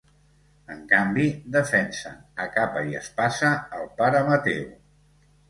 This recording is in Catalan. En canvi, defensen a capa i espasa el pare Mateu.